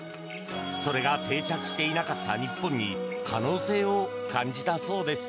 それが定着していなかった日本に可能性を感じたそうです。